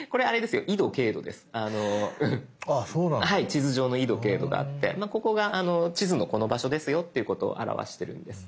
地図上の緯度・経度があってここが地図のこの場所ですよっていうことを表してるんです。